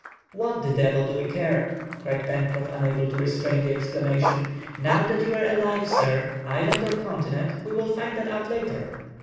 "What the devil do we care," cried Pencroff, unable to restrain the exclamation, "now that you are alive, sir. Island or continent? "We will find that out later."